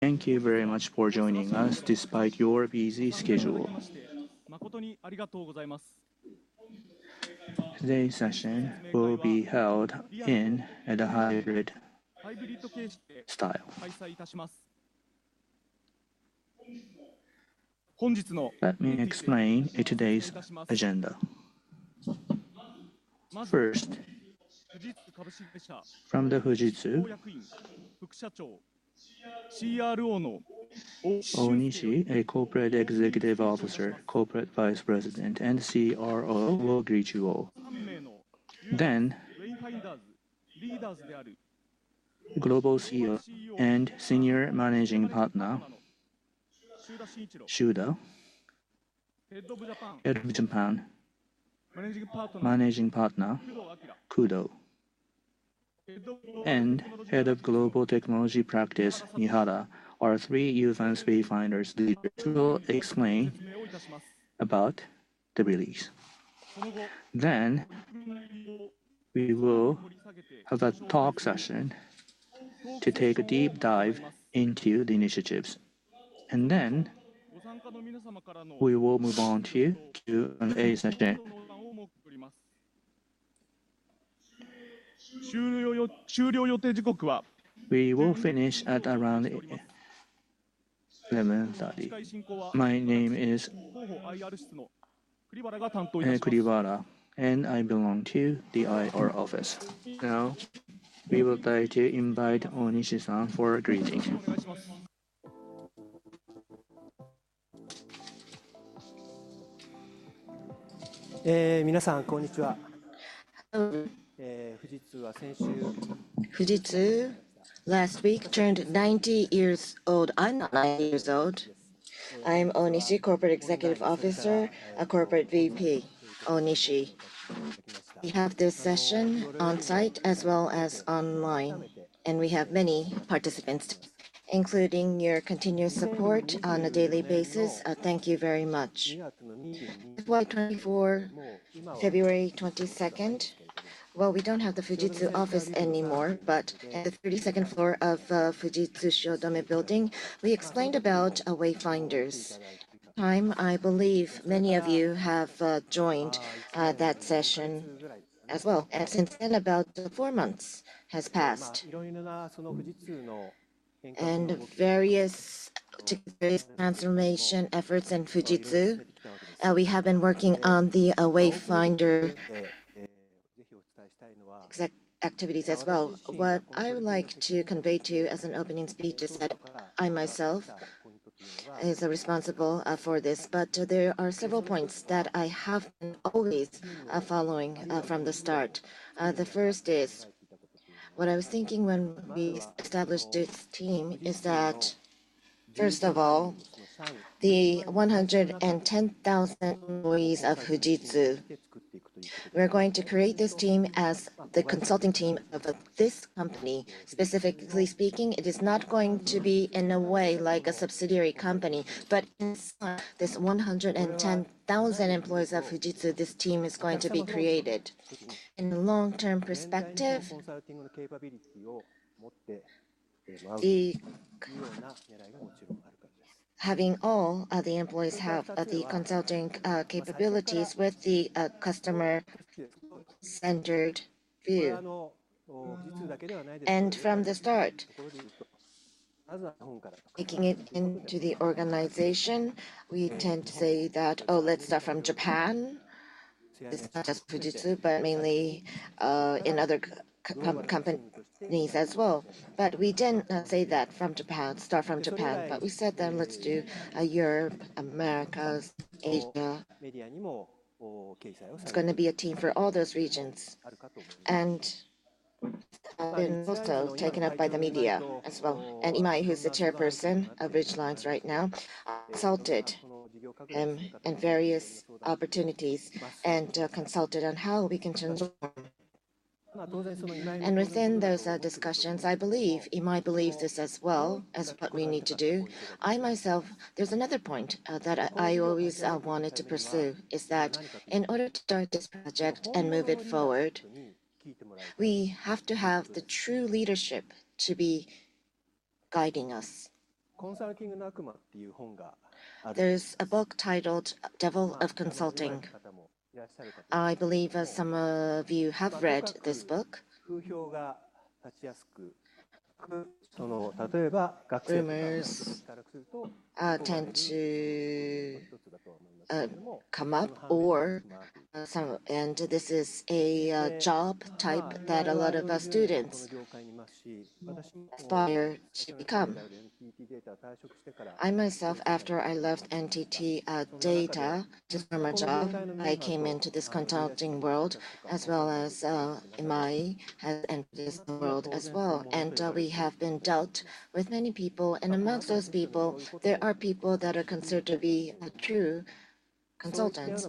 Thank you very much for joining us despite your busy schedule. 誠にありがとうございます。Today's session will be held in a hybrid style. 開催いたします。Let me explain today's agenda. First, from Fujitsu, Shunsuke Onishi, CRO, Onishi, a Corporate Executive Officer, Corporate Vice President, and CRO, will greet you all. Next, Global CEO and Senior Managing Partner, Shuda, and Head of Global Technology Practice, Mihara, are three youth and speedfinders. We will explain about the release. We will have a talk session to take a deep dive into the initiatives. We will move on to an A session. 終了予定時刻は。We will finish at around 7:30. My name is. 広報IR室の栗原が担当いたします。I am Kurihara, and I belong to the IR office. Now, we would like to invite Onishi-san for a greeting. 皆さん、こんにちは。Fujitsuは先週。Fujitsu, last week, turned 90 years old. I'm not 90 years old. I am Onishi, Corporate Executive Officer, a Corporate VP, Onishi. We have this session on-site as well as online, and we have many participants. Including your continuous support on a daily basis, thank you very much. It is 2024, February 22nd. We do not have the Fujitsu office anymore, but at the 32nd floor of Fujitsu Shodome building, we explained about Wayfinders. Time, I believe many of you have joined that session as well. Since then, about four months have passed. Various transformation efforts in Fujitsu, we have been working on the Wayfinder activities as well. What I would like to convey to you as an opening speech is that I myself am responsible for this, but there are several points that I have been always following from the start. The first is, what I was thinking when we established this team is that, first of all, the 110,000 employees of Fujitsu, we're going to create this team as the consulting team of this company. Specifically speaking, it is not going to be in a way like a subsidiary company, but in this 110,000 employees of Fujitsu, this team is going to be created. In a long-term perspective, having all the employees have the consulting capabilities with the customer-centered view. From the start, making it into the organization, we tend to say that, oh, let's start from Japan. It's not just Fujitsu, but mainly in other companies as well. We didn't say that from Japan, start from Japan, but we said that let's do Europe, America, Asia. It's going to be a team for all those regions. It's been also taken up by the media as well. Imai, who's the Chairperson of Ridgelinez right now, consulted in various opportunities and consulted on how we can transform. Within those discussions, I believe, Imai believes this as well as what we need to do. I myself, there's another point that I always wanted to pursue is that in order to start this project and move it forward, we have to have the true leadership to be guiding us. There's a book titled Devil of Consulting. I believe some of you have read this book. Tend to come up or some, and this is a job type that a lot of students aspire to become. I myself, after I left NTT Data just from a job, I came into this consulting world as well as Imai has entered this world as well. We have been dealt with many people, and amongst those people, there are people that are considered to be true consultants.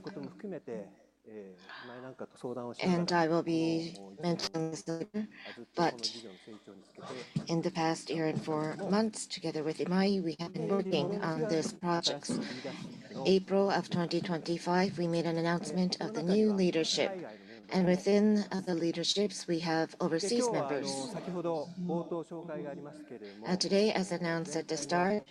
I will be mentioning this. In the past year and four months, together with Imai, we have been working on these projects. April of 2025, we made an announcement of the new leadership. Within the leaderships, we have overseas members. Today, as announced at the start,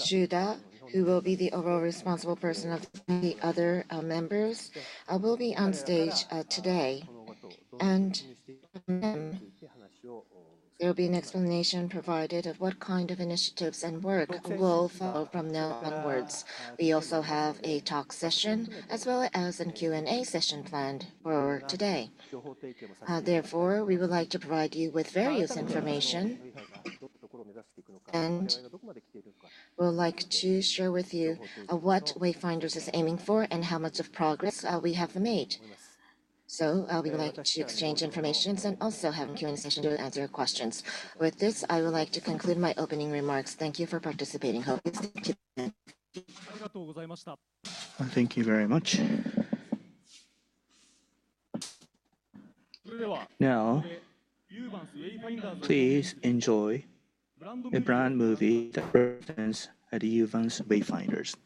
Shuda, who will be the overall responsible person of the other members, will be on stage today. There will be an explanation provided of what kind of initiatives and work will follow from now onwards. We also have a talk session as well as a Q&A session planned for today. Therefore, we would like to provide you with various information, and we would like to share with you what Wayfinders is aiming for and how much progress we have made. We would like to exchange information and also have a Q&A session to answer your questions. With this, I would like to conclude my opening remarks. Thank you for participating. Thank you very much. Now, please enjoy the brand movie that represents the Uvance Wayfinders.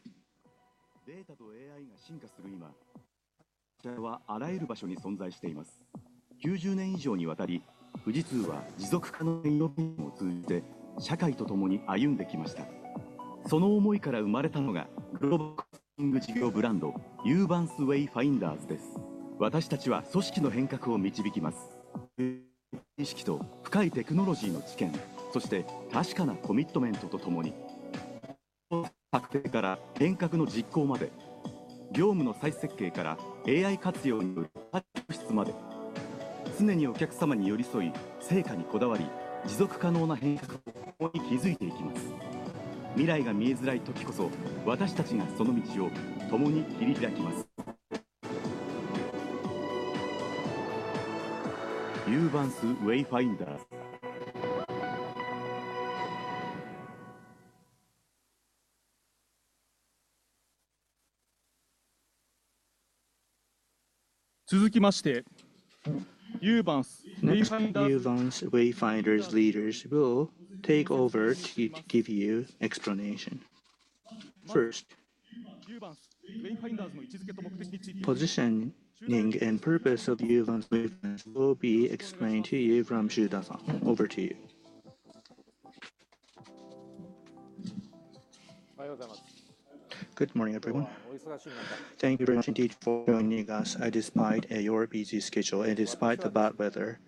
データとAIが進化する今、社会はあらゆる場所に存在しています。90年以上にわたり、Fujitsuは持続可能なイノベーションを通じて社会とともに歩んできました。その思いから生まれたのがグローバルコンティニュイング事業ブランド、Fujitsu Wayfinders。続きまして、Fujitsu Wayfinders。Wayfinders leaders will take over to give you explanation. First, positioning and purpose of Wayfinders movement will be explained to you from Shuda. Over to you. Good morning, everyone. Thank you very much indeed for joining us despite your busy schedule and despite the bad weather.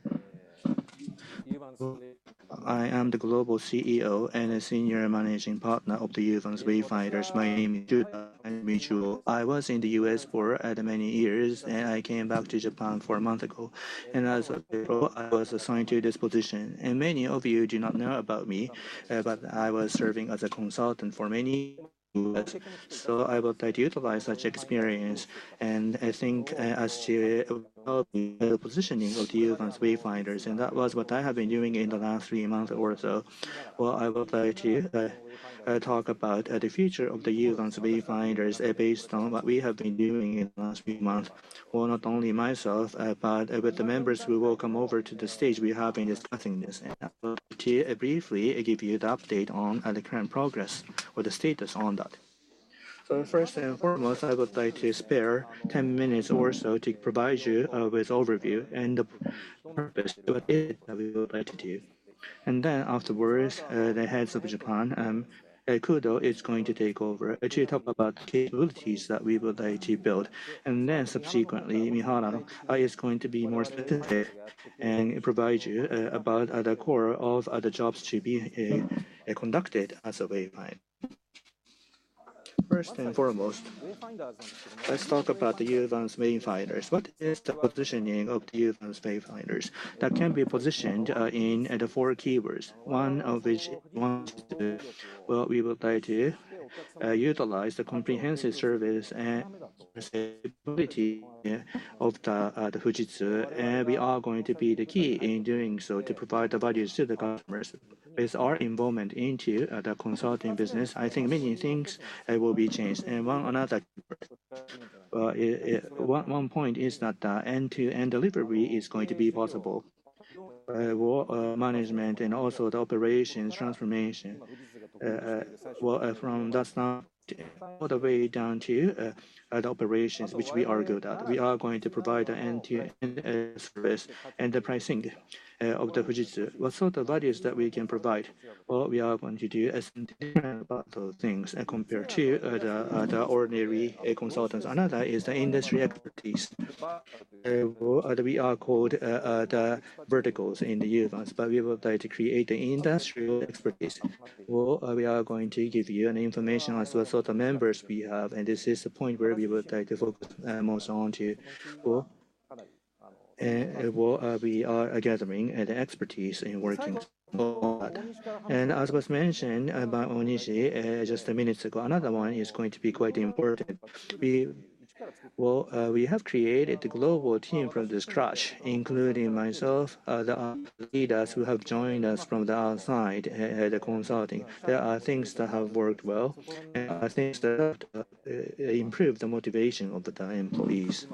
I am the Global CEO and a Senior Managing Partner of the Wayfinders. My name is Shuda. I was in the U.S. for many years, and I came back to Japan four months ago. As a pro, I was assigned to this position. Many of you do not know about me, but I was serving as a consultant for many years. I would like to utilize such experience, and I think as to the positioning of the Wayfinders, and that was what I have been doing in the last three months or so. I would like to talk about the future of the Uvance Wayfinders based on what we have been doing in the last few months. Not only myself, but with the members who will come over to the stage, we have been discussing this. I would like to briefly give you the update on the current progress or the status on that. First and foremost, I would like to spare 10 minutes or so to provide you with an overview and the purpose of what we would like to do. Afterwards, the Head of Japan, Kudo, is going to take over to talk about the capabilities that we would like to build. Subsequently, Mihara is going to be more specific and provide you about the core of the jobs to be conducted as a Wayfinder. First and foremost, let's talk about the Uvance Wayfinders. What is the positioning of the Uvance Wayfinders? That can be positioned in the four keywords, one of which is, we would like to utilize the comprehensive service and capability of Fujitsu, and we are going to be the key in doing so to provide the values to the customers. With our involvement into the consulting business, I think many things will be changed. One other keyword, one point is that the end-to-end delivery is going to be possible. Management and also the operations transformation, from that start all the way down to the operations, which we are good at. We are going to provide the end-to-end service and the pricing of Fujitsu. What sort of values that we can provide? We are going to do different things compared to the ordinary consultants. Another is the industry expertise. We are called the verticals in the Uvance, but we would like to create the industrial expertise. We are going to give you the information as to what sort of members we have, and this is the point where we would like to focus most on to. We are gathering the expertise in working on that. As was mentioned by Onishi just a minute ago, another one is going to be quite important. We have created the global team from scratch, including myself, the leaders who have joined us from the outside at the consulting. There are things that have worked well, and things that improved the motivation of the employees.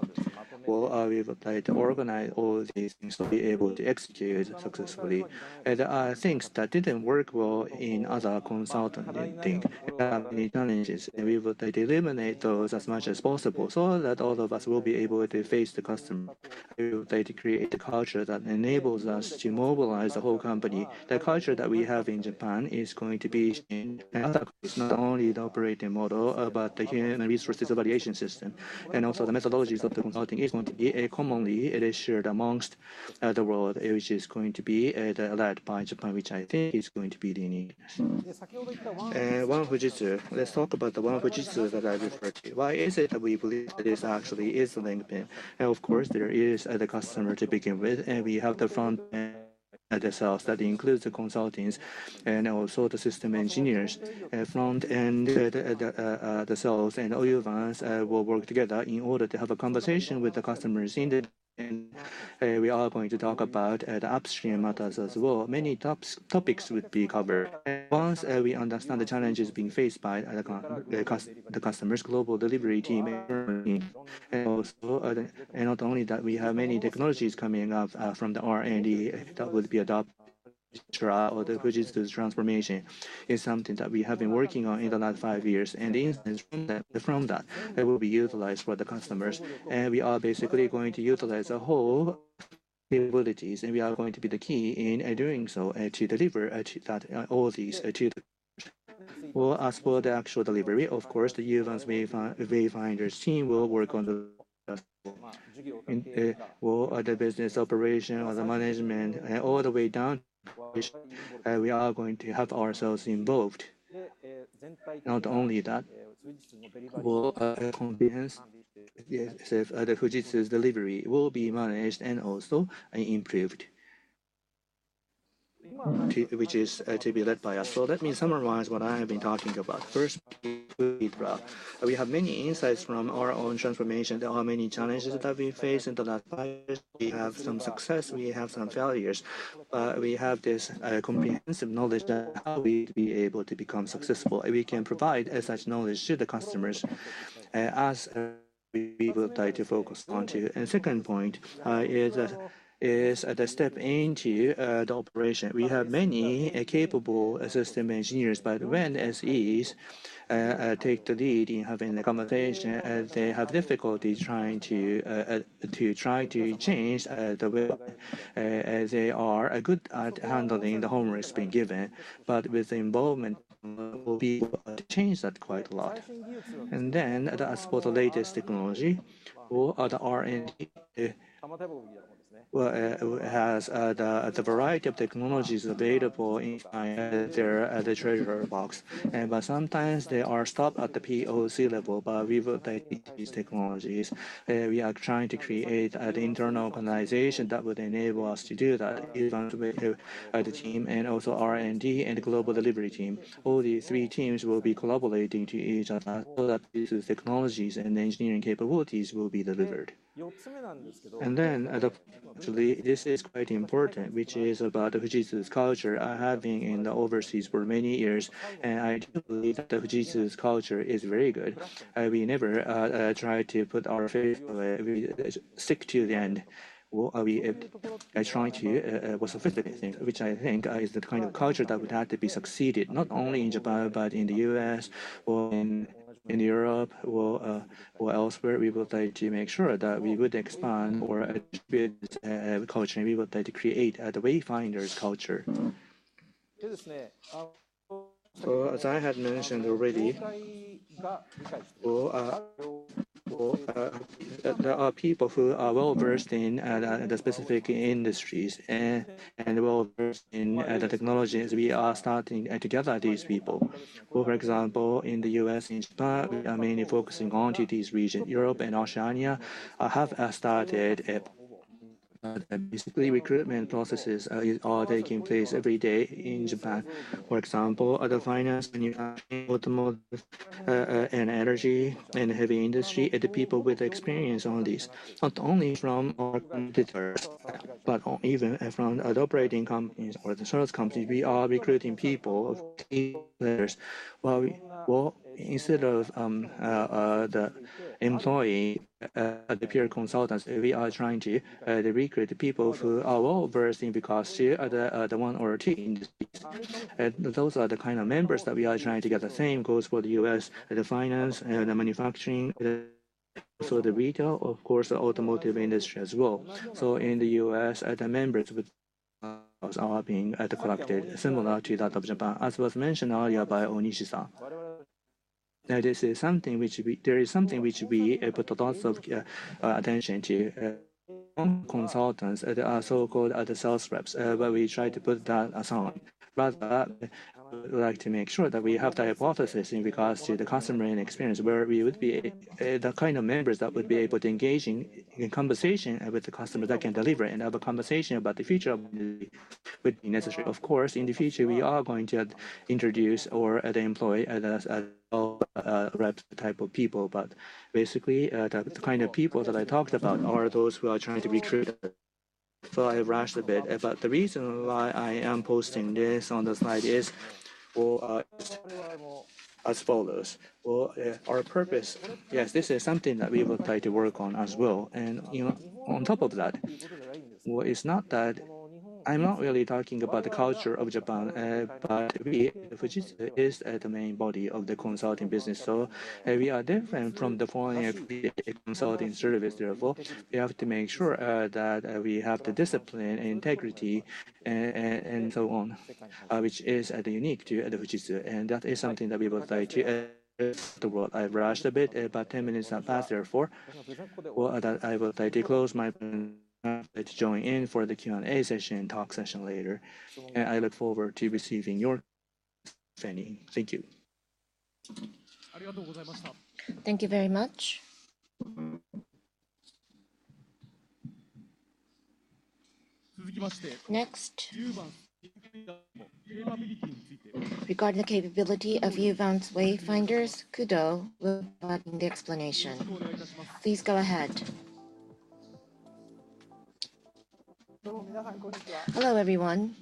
We have applied to organize all these things to be able to execute successfully. There are things that did not work well in other consultants. We have many challenges, and we would like to eliminate those as much as possible so that all of us will be able to face the customer. We would like to create a culture that enables us to mobilize the whole company. The culture that we have in Japan is going to be not only the operating model, but the human resources evaluation system. Also, the methodologies of the consulting are going to be commonly shared amongst the world, which is going to be led by Japan, which I think is going to be the uniqueness. One Fujitsu, let's talk about the one Fujitsu that I referred to. Why is it that we believe that this actually is the main thing? Of course, there is the customer to begin with, and we have the front end and the sales that includes the consultants and also the system engineers. Front end, the sales and all Uvance will work together in order to have a conversation with the customers. We are going to talk about the upstream matters as well. Many topics would be covered. Once we understand the challenges being faced by the customers, global delivery team is working. Not only that, we have many technologies coming up from the R&D that would be adopted to drive the Fujitsu transformation. It is something that we have been working on in the last five years. The instance from that, it will be utilized for the customers. We are basically going to utilize the whole capabilities, and we are going to be the key in doing so to deliver all these to the customers. As for the actual delivery, of course, the Uvance Wayfinders team will work on the business operation or the management all the way down to the operation. We are going to have ourselves involved. Not only that, we will convince the Fujitsu delivery will be managed and also improved, which is to be led by us. Let me summarize what I have been talking about. First, we have many insights from our own transformation. There are many challenges that we face in the last five years. We have some success. We have some failures. We have this comprehensive knowledge that we would be able to become successful. We can provide such knowledge to the customers as we would like to focus on to. The second point is the step into the operation. We have many capable system engineers, but when SEs take the lead in having the conversation, they have difficulty trying to change the way they are good at handling the homework being given. With involvement, we will be able to change that quite a lot. As for the latest technology, the R&D has the variety of technologies available in their treasury box. Sometimes they are stopped at the POC level, but we would like to use these technologies. We are trying to create an internal organization that would enable us to do that, Uvance Wayfinders team and also R&D and the global delivery team. All these three teams will be collaborating to each other so that these technologies and engineering capabilities will be delivered. Actually, this is quite important, which is about Fujitsu's culture. I have been in the overseas for many years, and I do believe that Fujitsu's culture is very good. We never try to put our faith away. We stick to the end. I try to sophisticate things, which I think is the kind of culture that would have to be succeeded not only in Japan, but in the U.S., or in Europe, or elsewhere. We would like to make sure that we would expand or attribute the culture. We would like to create the Wayfinders culture. As I had mentioned already, there are people who are well-versed in the specific industries and well-versed in the technologies. We are starting together these people. For example, in the U.S. and Japan, we are mainly focusing onto these regions. Europe and Oceania have started. Basically, recruitment processes are taking place every day in Japan. For example, the finance, manufacturing, automotive, and energy, and heavy industry, and the people with experience on these. Not only from our competitors, but even from the operating companies or the service companies, we are recruiting people. Instead of the employee, the peer consultants, we are trying to recruit the people who are well-versed in because they are the one or two industries. Those are the kind of members that we are trying to get the same goals for the U.S., the finance, the manufacturing, also the retail, of course, the automotive industry as well. In the U.S., the members are being collected similar to that of Japan. As was mentioned earlier by Onishi, there is something which we put a lot of attention to. Consultants, there are so-called sales reps, but we try to put that aside. Rather, we would like to make sure that we have the hypothesis in regards to the customer and experience where we would be the kind of members that would be able to engage in conversation with the customer that can deliver and have a conversation about the future of the industry would be necessary. Of course, in the future, we are going to introduce or the employee as a rep type of people. Basically, the kind of people that I talked about are those who are trying to recruit. I rushed a bit. The reason why I am posting this on the slide is as follows. Our purpose, yes, this is something that we would like to work on as well. On top of that, it's not that I'm not really talking about the culture of Japan, but Fujitsu is the main body of the consulting business. We are different from the foreign consulting service. Therefore, we have to make sure that we have the discipline and integrity and so on, which is unique to Fujitsu. That is something that we would like to. The world. I've rushed a bit, but 10 minutes have passed. Therefore, I would like to close my time to join in for the Q&A session and talk session later. I look forward to receiving your opinion. Thank you. Thank you very much. Next, regarding the capability of Uvance Wayfinders, Kudo will provide the explanation. Please go ahead. Hello, everyone.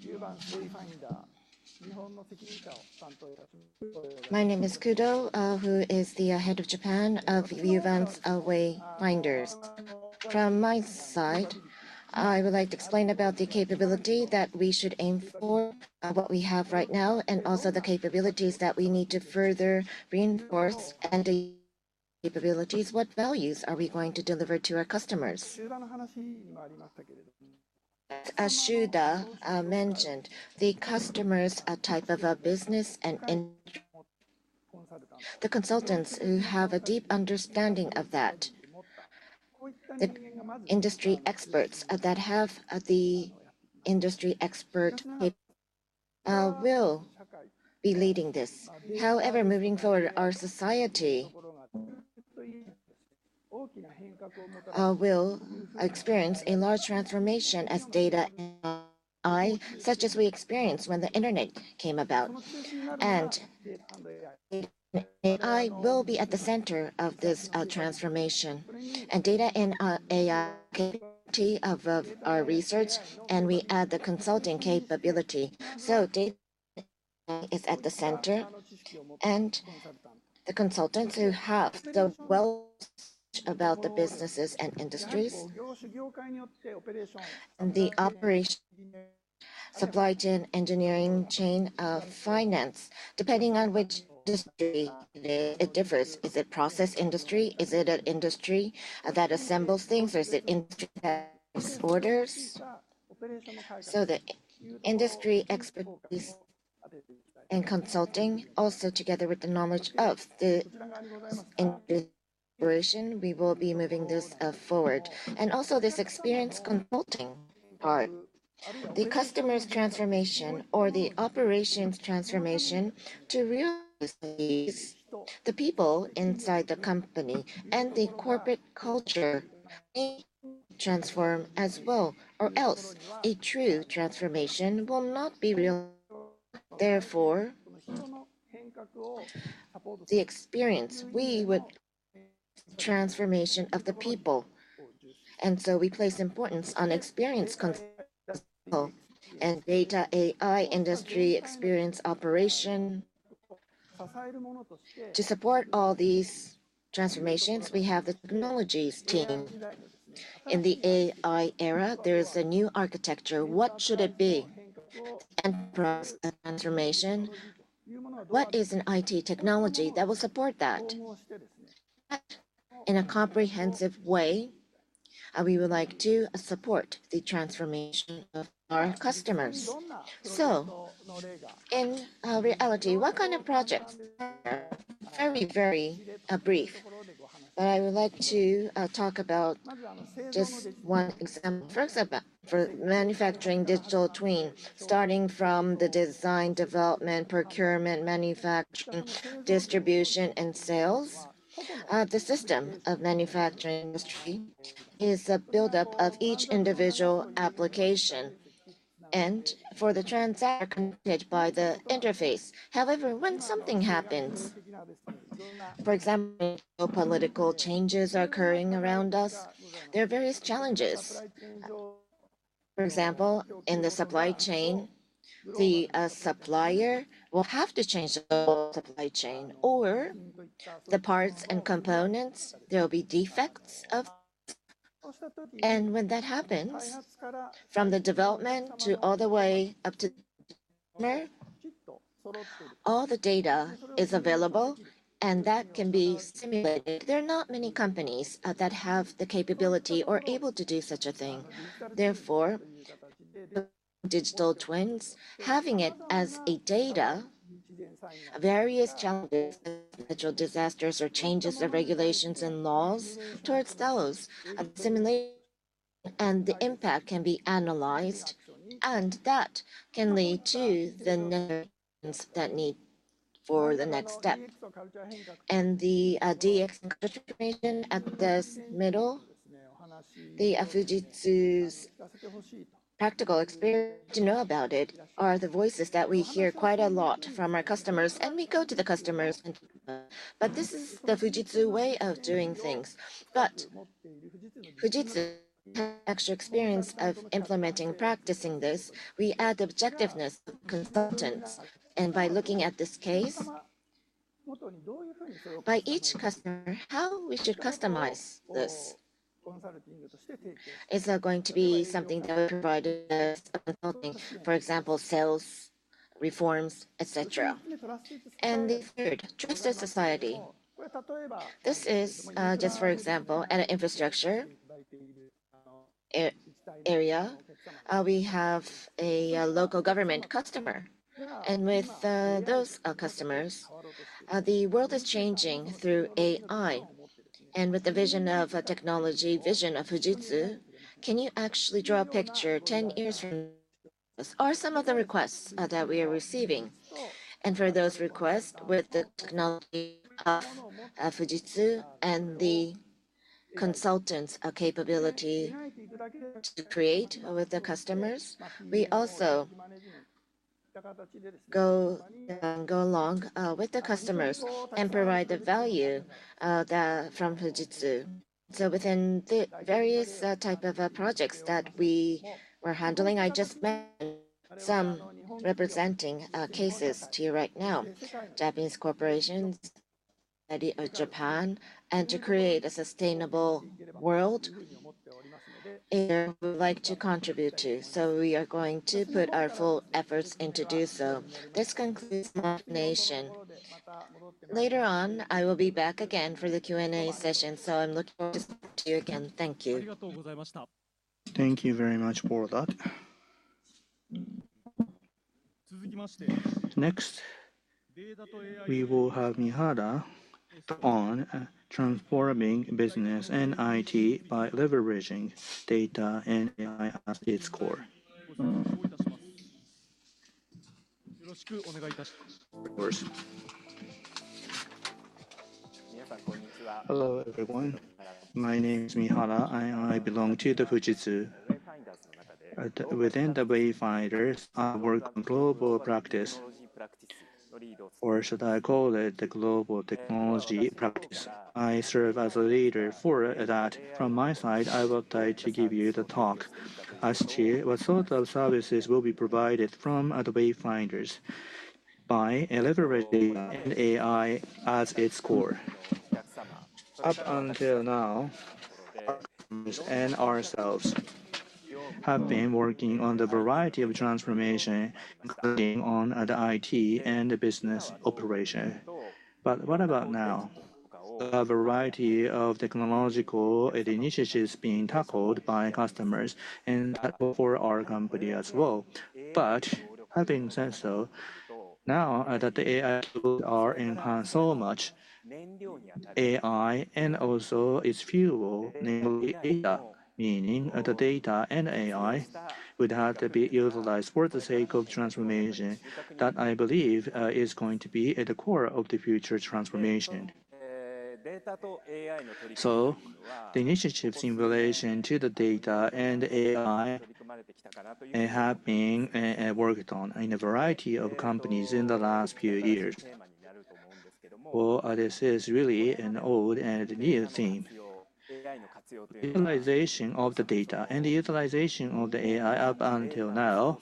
My name is Kudo, who is the head of Japan of Uvance Wayfinders. From my side, I would like to explain about the capability that we should aim for, what we have right now, and also the capabilities that we need to further reinforce. What values are we going to deliver to our customers? As Shuda mentioned, the customers are a type of business, and the consultants who have a deep understanding of that, the industry experts that have the industry expert will be leading this. However, moving forward, our society will experience a large transformation as data and AI, such as we experienced when the internet came about. AI will be at the center of this transformation. Data and AI capability of our research, and we add the consulting capability. Data is at the center, and the consultants who have the knowledge about the businesses and industries, the operation, supply chain, engineering chain, finance, depending on which industry it differs. Is it process industry? Is it an industry that assembles things? Or is it industry that orders? The industry expertise and consulting, also together with the knowledge of the industry operation, we will be moving this forward. Also, this experience consulting part, the customer's transformation or the operations transformation to realize the people inside the company and the corporate culture may transform as well. Or else, a true transformation will not be real. Therefore, the experience, we would transformation of the people. We place importance on experience consulting and data AI industry experience operation to support all these transformations. We have the technologies team. In the AI era, there is a new architecture. What should it be? And process transformation, what is an IT technology that will support that? In a comprehensive way, we would like to support the transformation of our customers. In reality, what kind of projects? Very, very brief. I would like to talk about just one example. For example, for manufacturing digital twin, starting from the design, development, procurement, manufacturing, distribution, and sales, the system of manufacturing industry is a buildup of each individual application and for the transacted by the interface. However, when something happens, for example, political changes are occurring around us, there are various challenges. For example, in the supply chain, the supplier will have to change the whole supply chain or the parts and components. There will be defects of. When that happens, from the development to all the way up to the customer, all the data is available, and that can be simulated. There are not many companies that have the capability or are able to do such a thing. Therefore, digital twins, having it as a data, various challenges, natural disasters or changes of regulations and laws towards those simulations, and the impact can be analyzed, and that can lead to the notions that need for the next step. The DX transformation at this middle, the Fujitsu's practical experience to know about it are the voices that we hear quite a lot from our customers, and we go to the customers and talk to them. This is the Fujitsu way of doing things. Fujitsu has extra experience of implementing and practicing this. We add objectiveness of consultants. By looking at this case, by each customer, how we should customize this is going to be something that will provide us consulting, for example, sales, reforms, etc. The third, trusted society. This is just, for example, an infrastructure area. We have a local government customer. With those customers, the world is changing through AI. With the vision of technology, vision of Fujitsu, can you actually draw a picture 10 years from this? Are some of the requests that we are receiving. For those requests, with the technology of Fujitsu and the consultants' capability to create with the customers, we also go along with the customers and provide the value from Fujitsu. Within the various types of projects that we were handling, I just mentioned some representing cases to you right now. Japanese corporations, Japan, and to create a sustainable world, we would like to contribute to. We are going to put our full efforts into doing so. This concludes my information. Later on, I will be back again for the Q&A session. I am looking forward to speaking to you again. Thank you. Thank you very much for that. Next, we will have Mihara on transforming business and IT by leveraging data and AI at its core. Hello, everyone. My name is Mihara. I belong to Fujitsu. Within the Wayfinders, I work on global practice. Or should I call it the global technology practice? I serve as a leader for that. From my side, I would like to give you the talk as to what sort of services will be provided from the Wayfinders by leveraging AI at its core. Up until now, ourselves have been working on the variety of transformation, including on the IT and the business operation. What about now? A variety of technological initiatives being tackled by customers and for our company as well. Having said so, now that the AI tools are enhanced so much, AI and also its fuel, namely data, meaning the data and AI, would have to be utilized for the sake of transformation that I believe is going to be at the core of the future transformation. The initiatives in relation to the data and AI have been worked on in a variety of companies in the last few years. This is really an old and new theme. Utilization of the data and the utilization of the AI up until now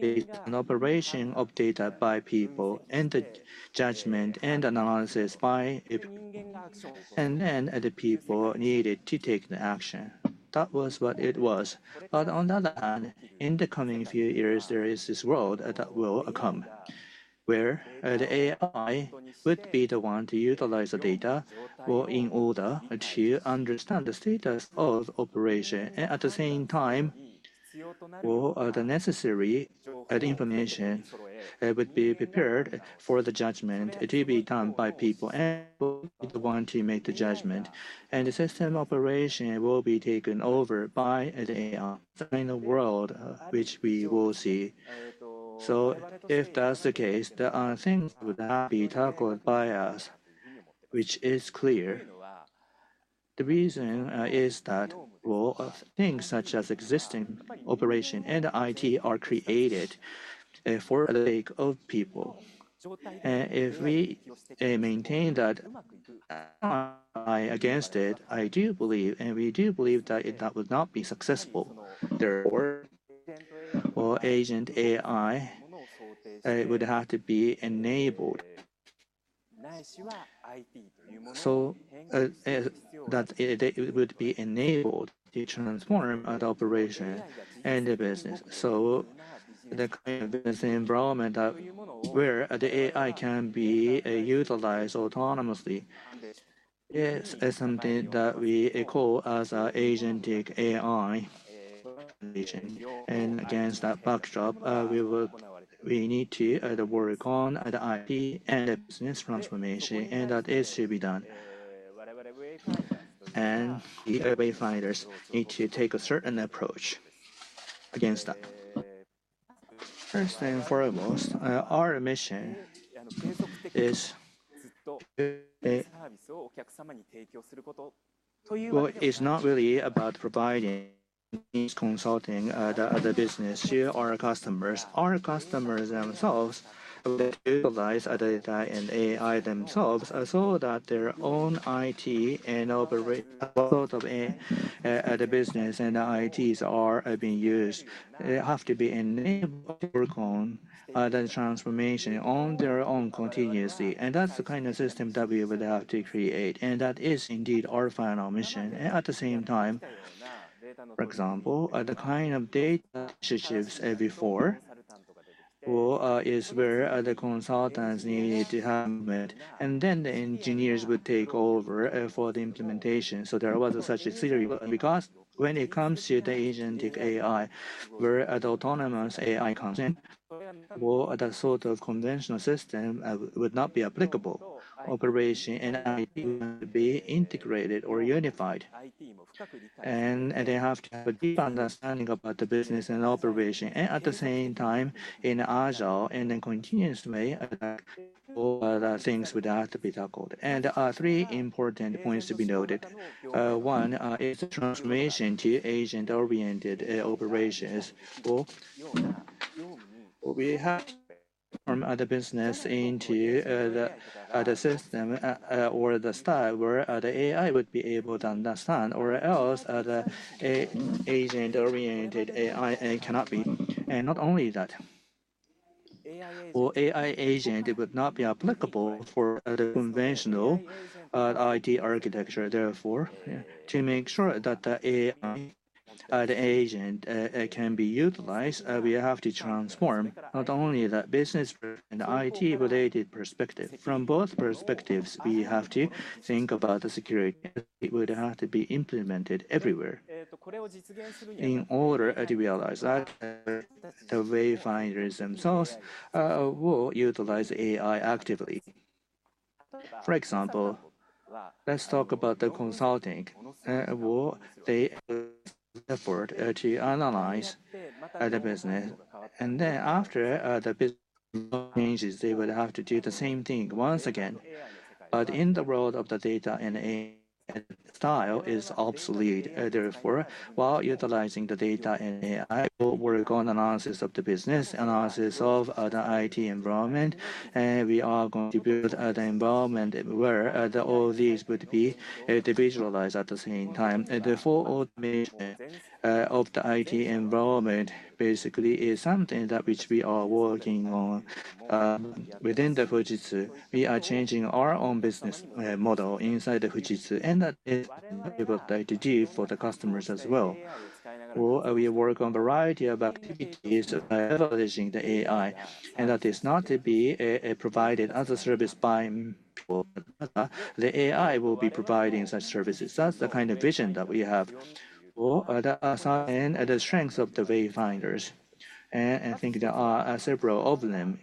is an operation of data by people and the judgment and analysis by people, and then the people needed to take the action. That was what it was. On the other hand, in the coming few years, there is this world that will come where the AI would be the one to utilize the data in order to understand the status of operation. At the same time, all the necessary information would be prepared for the judgment to be done by people and people want to make the judgment. The system operation will be taken over by the AI in the world, which we will see. If that's the case, there are things that would not be tackled by us, which is clear. The reason is that, things such as existing operation and IT are created for the sake of people. If we maintain that AI against it, I do believe, and we do believe that that would not be successful. Therefore, agentic AI would have to be enabled. It would be enabled to transform the operation and the business. The kind of business environment where the AI can be utilized autonomously is something that we call as agentic AI agent. Against that backdrop, we need to work on the IT and the business transformation, and that it should be done. The Wayfinders need to take a certain approach against that. First and foremost, our mission is to provide consulting to our customers. Our customers themselves utilize the data and AI themselves so that their own IT and the business and the ITs are being used. They have to be enabled to work on the transformation on their own continuously. That is the kind of system that we would have to create. That is indeed our final mission. At the same time, for example, the kind of data initiatives before is where the consultants needed to have it, and then the engineers would take over for the implementation. There was such a theory. Because when it comes to the agentic AI, where the autonomous AI comes in, that sort of conventional system would not be applicable. Operation and IT would be integrated or unified. They have to have a deep understanding about the business and operation. At the same time, in agile and then continuously, all the things would have to be tackled. There are three important points to be noted. One is the transformation to agent-oriented operations. We have to transform the business into the system or the style where the AI would be able to understand, or else the agent-oriented AI cannot be. Not only that, AI agent would not be applicable for the conventional IT architecture. Therefore, to make sure that the AI agent can be utilized, we have to transform not only the business and the IT-related perspective. From both perspectives, we have to think about the security. It would have to be implemented everywhere in order to realize that the Wayfinders themselves will utilize AI actively. For example, let's talk about the consulting. They effort to analyze the business. Then after the business changes, they would have to do the same thing once again. In the world of the data and AI style, it is obsolete. Therefore, while utilizing the data and AI, we're going to analyze the business, analyze the IT environment, and we are going to build the environment where all these would be individualized at the same time. The full automation of the IT environment basically is something that we are working on within Fujitsu. We are changing our own business model inside Fujitsu, and that is what we would like to do for the customers as well. We work on a variety of activities leveraging the AI, and that is not to be provided as a service by people. The AI will be providing such services. That's the kind of vision that we have. That's the strength of the Wayfinders. I think there are several of them.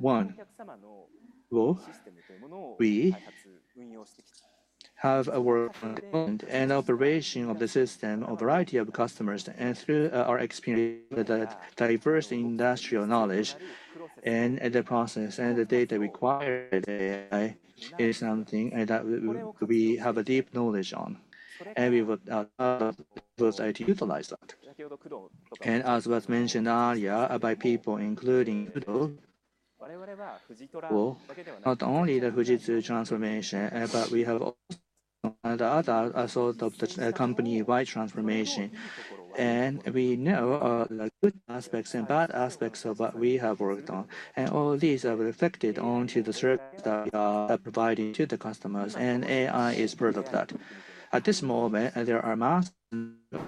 One, we have a work on the operation of the system of a variety of customers, and through our experience, the diverse industrial knowledge and the process and the data required, AI is something that we have a deep knowledge on. We would love to utilize that. As was mentioned earlier by people, including not only the Fujitsu transformation, but we have also another sort of company-wide transformation. We know the good aspects and bad aspects of what we have worked on. All these are reflected onto the service that we are providing to the customers. AI is part of that. At this moment, there are massive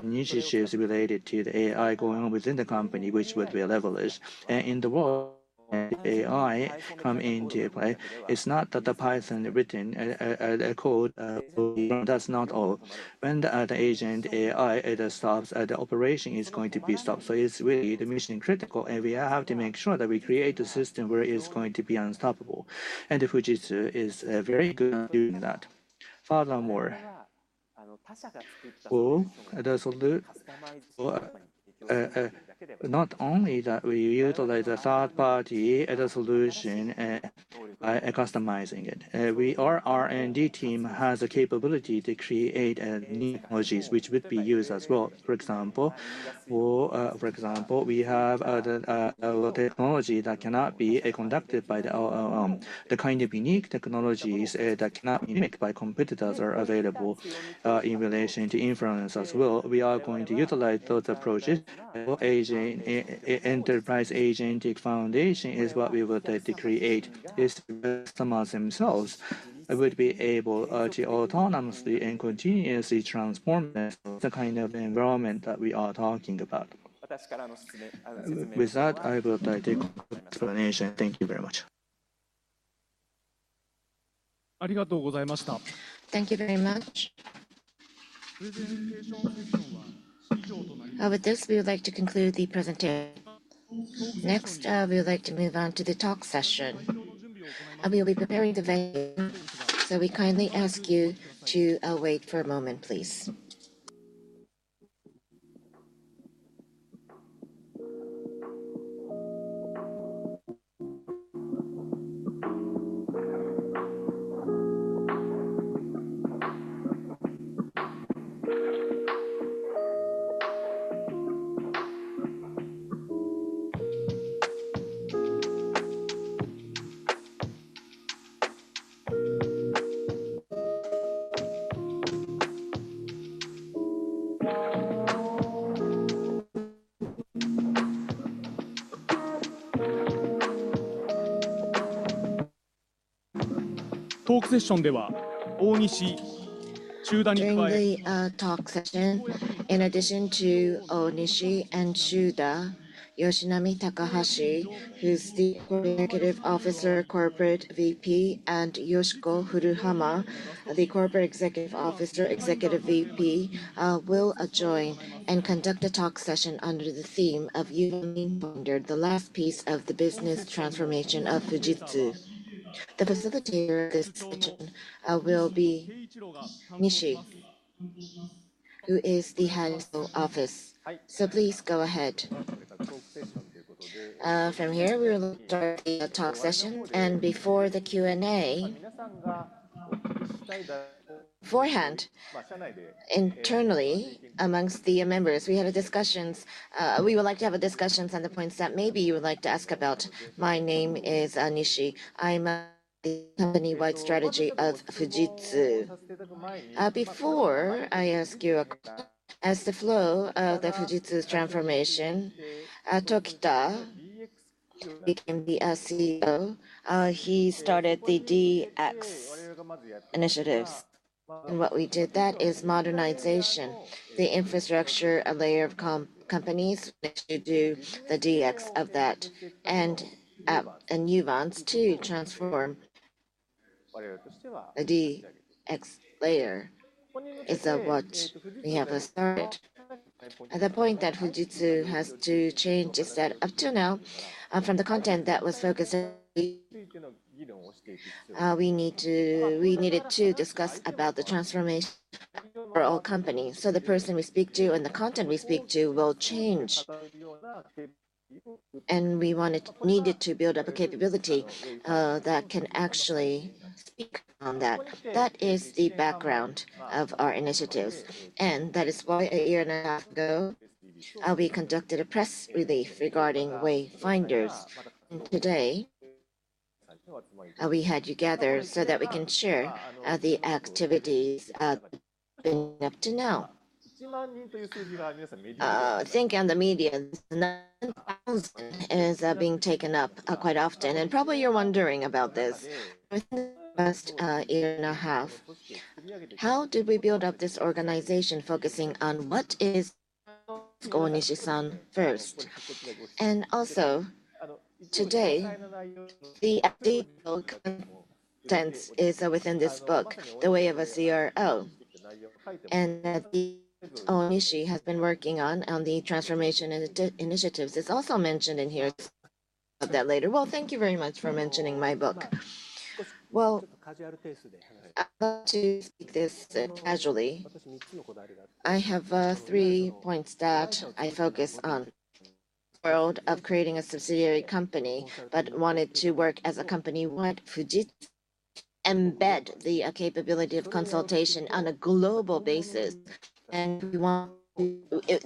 initiatives related to the AI going on within the company, which would be leveraged. In the world, AI coming into play, it's not that the Python written code does not all. When the agent AI stops at the operation, it's going to be stopped. It is really mission critical, and we have to make sure that we create a system where it's going to be unstoppable. Fujitsu is very good at doing that. Furthermore, not only that we utilize a third-party solution by customizing it, our R&D team has the capability to create new technologies, which would be used as well. For example, for example, we have a technology that cannot be conducted by the OOM. The kind of unique technologies that cannot be made by competitors are available in relation to influence as well. We are going to utilize those approaches. Enterprise Agentic Foundation is what we would like to create. The customers themselves would be able to autonomously and continuously transform the kind of environment that we are talking about. With that, I would like to conclude the explanation. Thank you very much. With this, we would like to conclude the presentation. Next, we would like to move on to the talk session. We will be preparing the venue, so we kindly ask you to wait for a moment, please. In the talk session, in addition to Onishi and Shuda, Yoshinami Takahashi, who's the Executive Officer, Corporate VP, and Yoshiko Furuhama, the Corporate Executive Officer, Executive VP, will join and conduct a talk session under the theme of "Yuumi Finder," the last piece of the business transformation of Fujitsu. The facilitator of this session will be Nishi, who is the head of the office. Please go ahead. From here, we will start the talk session. Before the Q&A, beforehand, internally, amongst the members, we have discussions. We would like to have discussions on the points that maybe you would like to ask about. My name is Nishi. I'm the company-wide strategy of Fujitsu. Before I ask you a question, as the flow of the Fujitsu transformation, Tokita, who became the CEO, he started the DX initiatives. What we did, that is modernization, the infrastructure layer of companies to do the DX of that. A nuance to transform the DX layer is what we have started. The point that Fujitsu has to change is that up to now, from the content that was focused, we needed to discuss about the transformation for all companies. The person we speak to and the content we speak to will change. We needed to build up a capability that can actually speak on that. That is the background of our initiatives. That is why a year and a half ago, we conducted a press release regarding Wayfinders. Today, we had you gathered so that we can share the activities up to now. Think on the media. Nothing is being taken up quite often. Probably you're wondering about this. Within the past year and a half, how did we build up this organization focusing on what is Oishi-san first? Also, today, the content is within this book, The Way of a CRO. Oishi has been working on the transformation initiatives. It's also mentioned in here. Of that later. Thank you very much for mentioning my book. To speak this casually, I have three points that I focus on. World of creating a subsidiary company, but wanted to work as a company. Want Fujitsu to embed the capability of consultation on a global basis. To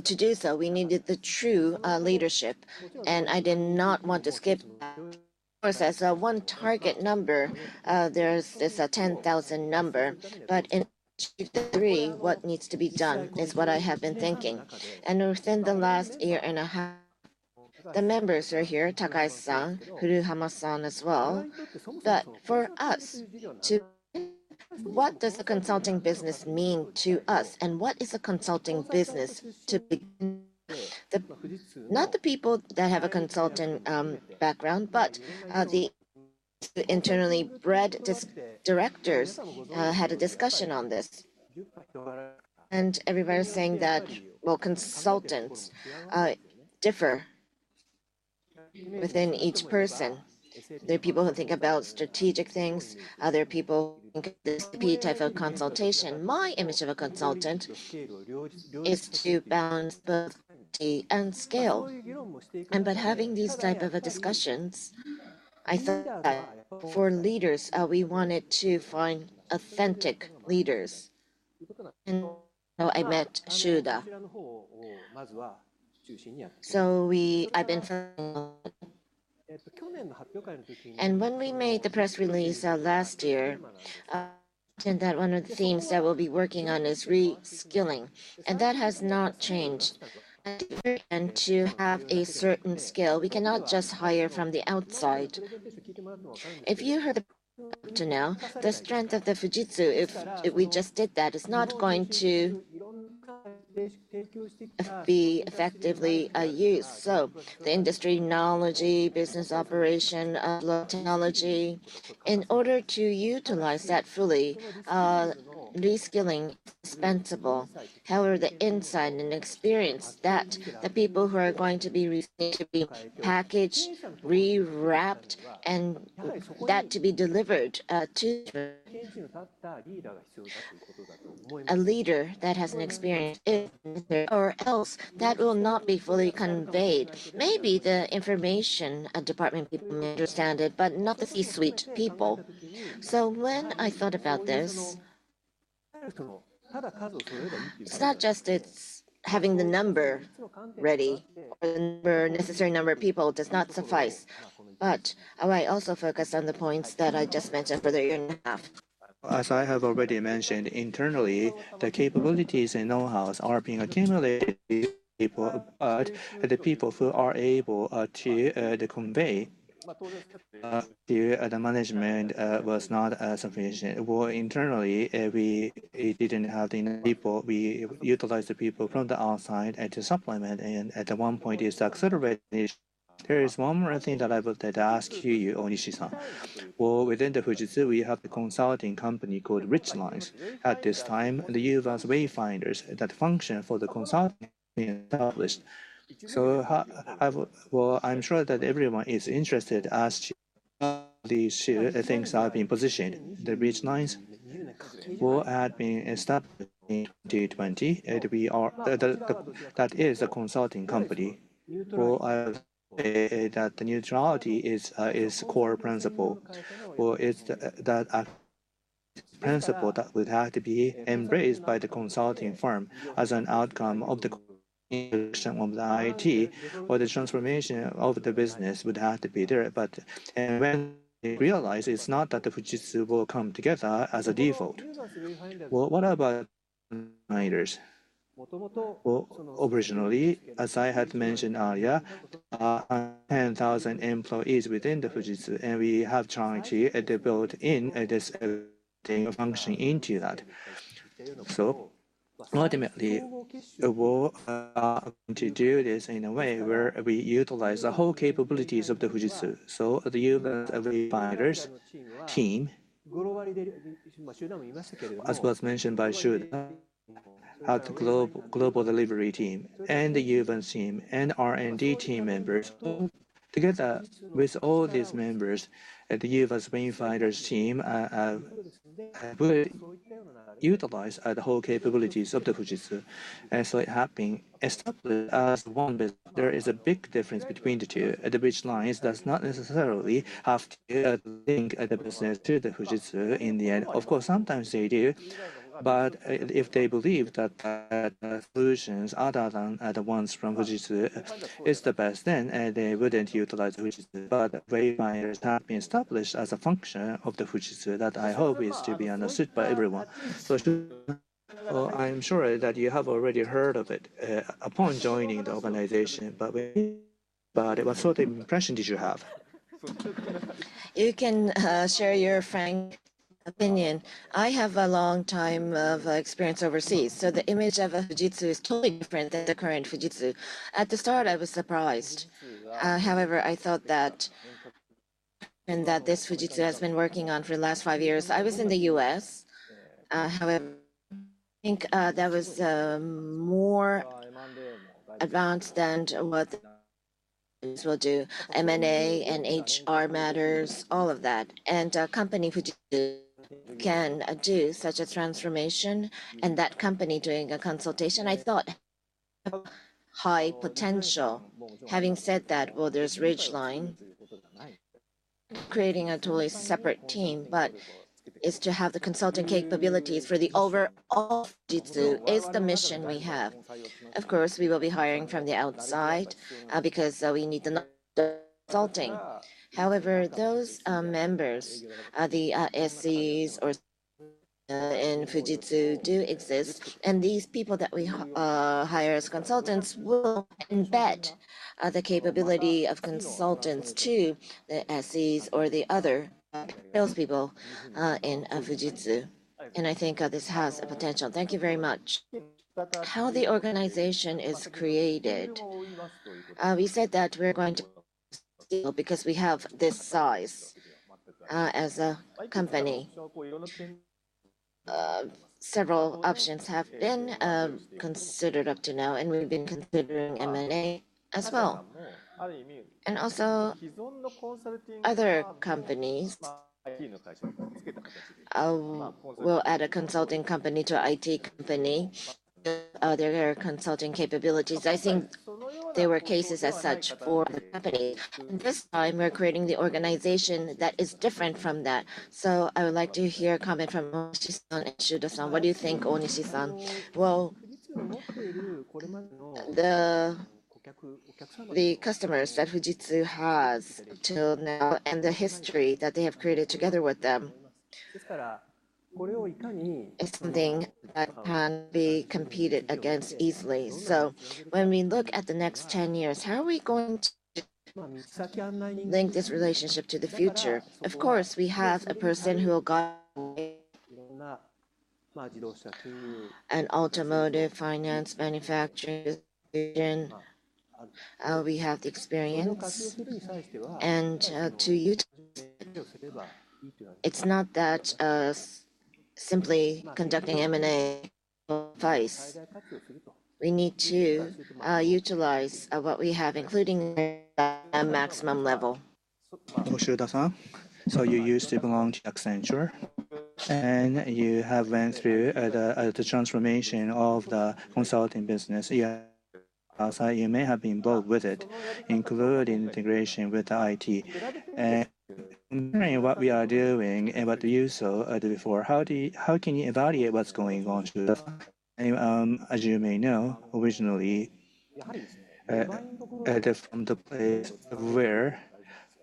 do so, we needed the true leadership. I did not want to skip the process. One target number, there's this 10,000 number. In three, what needs to be done is what I have been thinking. Within the last year and a half, the members are here, Takahisa Furuhama-san as well. For us, what does the consulting business mean to us? What is a consulting business to begin with? Not the people that have a consulting background, but the internally bred directors had a discussion on this. Everybody was saying that consultants differ within each person. There are people who think about strategic things. There are people who think this is the P type of consultation. My image of a consultant is to balance both quality and scale. Having these types of discussions, I thought that for leaders, we wanted to find authentic leaders. I met Shuda. I have been following. When we made the press release last year, I think that one of the themes that we will be working on is reskilling. That has not changed. To have a certain skill, we cannot just hire from the outside. If you heard up to now, the strength of Fujitsu, if we just did that, is not going to be effectively used. The industry knowledge, business operation, technology, in order to utilize that fully, reskilling is expensible. However, the insight and experience that the people who are going to be need to be packaged, rewrapped, and that to be delivered to a leader that has an experience, if or else, that will not be fully conveyed. Maybe the information department people may understand it, but not the C-suite people. When I thought about this, it's not just having the number ready or the necessary number of people does not suffice. I also focused on the points that I just mentioned for the year and a half. As I have already mentioned, internally, the capabilities and know-hows are being accumulated by people, but the people who are able to convey to the management was not sufficient. Internally, we didn't have enough people. We utilized the people from the outside to supplement. At one point, it's accelerated. There is one more thing that I would like to ask you, Oishi-san. Within Fujitsu, we have a consulting company called Ridgelinez. At this time, the Uvance Wayfinders that function for the consulting is established. I'm sure that everyone is interested as to how these things are being positioned. Ridgelinez was established in 2020. That is a consulting company. I would say that the neutrality is a core principle. It's that principle that would have to be embraced by the consulting firm as an outcome of the connection of the IT or the transformation of the business would have to be there. When we realize it's not that Fujitsu will come together as a default. What about the Wayfinders? Originally, as I had mentioned earlier, 10,000 employees within Fujitsu, and we have been trying to build in this function into that. Ultimately, we're going to do this in a way where we utilize the whole capabilities of Fujitsu. The Uvance Wayfinders team, as was mentioned by Shuda, had the global delivery team, and the Uvance team and R&D team members. Together with all these members, the Uvance Wayfinders team will utilize the whole capabilities of Fujitsu. It has been established as one business. There is a big difference between the two. Ridgelinez does not necessarily have to link the business to Fujitsu in the end. Of course, sometimes they do. If they believe that the solutions other than the ones from Fujitsu are the best, then they would not utilize Fujitsu. Wayfinders have been established as a function of Fujitsu that I hope is to be understood by everyone. I am sure that you have already heard of it upon joining the organization. What sort of impression did you have? You can share your frank opinion. I have a long time of experience overseas. So the image of a Fujitsu is totally different than the current Fujitsu. At the start, I was surprised. However, I thought that this Fujitsu has been working on for the last five years. I was in the U.S. However, I think that was more advanced than what these will do. M&A and HR matters, all of that. And a company Fujitsu can do such a transformation and that company doing a consultation, I thought, high potential. Having said that, there's Ridgelinez. Creating a totally separate team, but it's to have the consulting capabilities for the overall Fujitsu is the mission we have. Of course, we will be hiring from the outside because we need the consulting. However, those members, the SEs or in Fujitsu do exist. These people that we hire as consultants will embed the capability of consultants to the SEs or the other salespeople in Fujitsu. I think this has a potential. Thank you very much. How the organization is created. We said that we're going to because we have this size as a company. Several options have been considered up to now, and we've been considering M&A as well. Also, other companies will add a consulting company to an IT company. There are consulting capabilities. I think there were cases as such for the company. This time, we're creating the organization that is different from that. I would like to hear a comment from Onishi-san and Shuda-san. What do you think, Onishi-san? The customers that Fujitsu has till now and the history that they have created together with them is something that can be competed against easily. When we look at the next 10 years, how are we going to link this relationship to the future? Of course, we have a person who will go and automobile finance manufacturers. We have the experience. To utilize it, it's not that simply conducting M&A suffice. We need to utilize what we have, including the maximum level. You used to belong to Accenture, and you have been through the transformation of the consulting business. You may have been involved with it, including integration with the IT. What we are doing about the use of the before, how can you evaluate what's going on? As you may know, originally, from the place where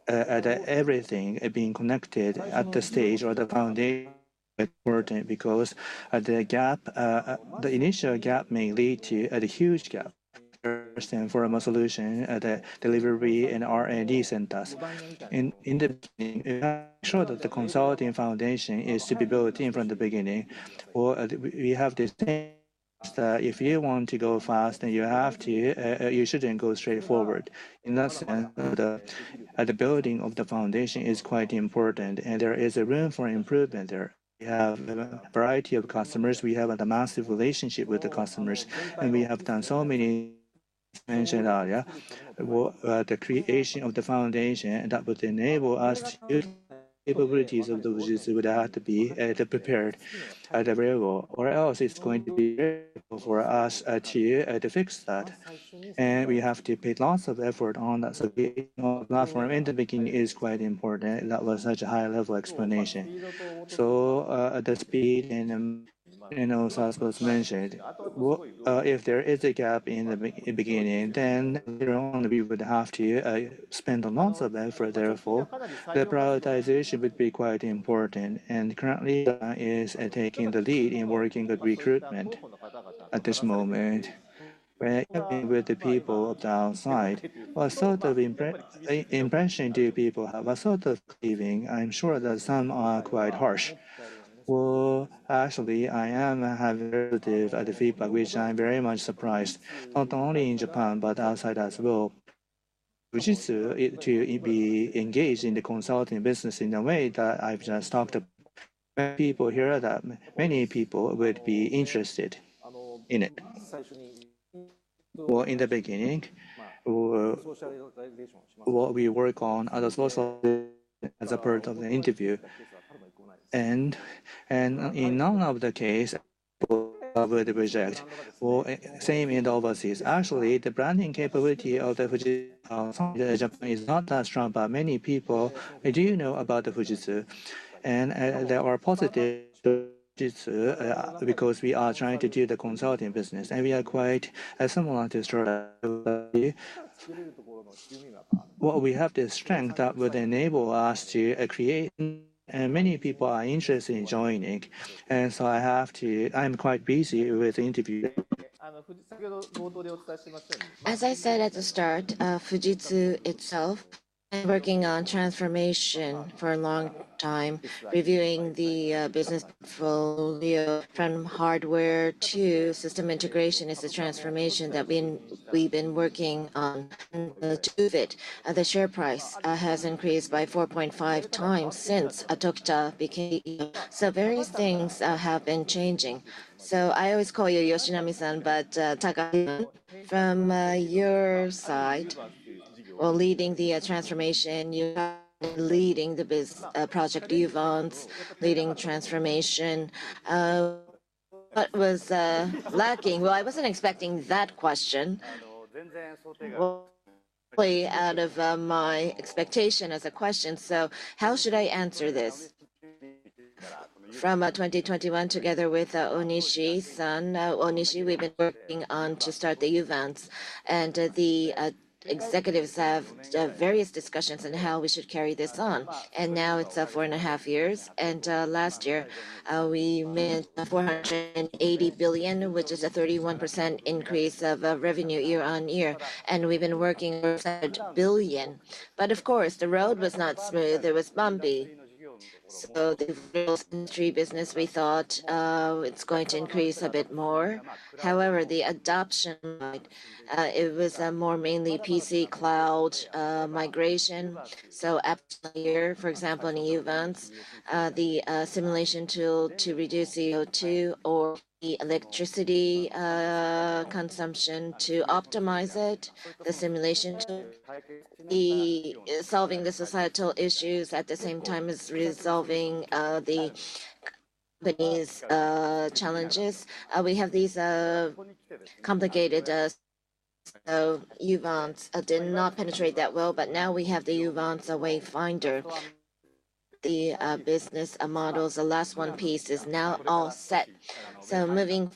everything is being connected at the stage or the foundation is important because the initial gap may lead to a huge gap. First and foremost solution, the delivery and R&D centers. In the beginning, I'm sure that the consulting foundation is to be built in from the beginning. We have this thing that if you want to go fast, then you shouldn't go straightforward. In that sense, the building of the foundation is quite important, and there is a room for improvement there. We have a variety of customers. We have a massive relationship with the customers. We have done so many things earlier. The creation of the foundation that would enable us to use the capabilities of Fujitsu would have to be prepared at a variable. It is going to be difficult for us to fix that. We have to put lots of effort on that. Getting a platform in the beginning is quite important. That was such a high-level explanation. The speed and, as was mentioned, if there is a gap in the beginning, then we would have to spend lots of effort. Therefore, the prioritization would be quite important. Currently, is taking the lead in working with recruitment at this moment. With the people of the outside, what sort of impression do people have? What sort of feeling? I'm sure that some are quite harsh. Actually, I have a relative feedback, which I'm very much surprised, not only in Japan, but outside as well. Fujitsu to be engaged in the consulting business in a way that I've just talked to people here that many people would be interested in it. In the beginning, we work on other sources as a part of the interview. In none of the cases, I would reject. Same in the overseas. Actually, the branding capability of Fujitsu in Japan is not that strong, but many people do know about Fujitsu. There are positives to Fujitsu because we are trying to do the consulting business. We are quite similar to Strategic Value. We have this strength that would enable us to create. Many people are interested in joining. I have to, I'm quite busy with the interview. As I said at the start, Fujitsu itself, working on transformation for a long time, reviewing the business portfolio from hardware to system integration is a transformation that we've been working on. The share price has increased by 4.5 times since Tokita became. Various things have been changing. I always call you Yoshinami-san, but Takahito, from your side, leading the transformation, you are leading the project Uvance, leading transformation. What was lacking? I was not expecting that question. It is completely out of my expectation as a question. How should I answer this? From 2021, together with Oniishi-san, Onishi, we have been working on to start the Uvance. The executives have various discussions on how we should carry this on. Now it is four and a half years. Last year, we made 480 billion, which is a 31% increase of revenue year on year. We have been working over a billion. Of course, the road was not smooth. It was bumpy. The real-time tree business, we thought it is going to increase a bit more. However, the adoption, it was more mainly PC cloud migration. Apps, for example, in Uvance, the simulation tool to reduce CO2 or the electricity consumption to optimize it, the simulation tool to be solving the societal issues at the same time as resolving the company's challenges. We have these complicated Uvance. Did not penetrate that well, but now we have the Uvance Wayfinder, the business models. The last one piece is now all set. Moving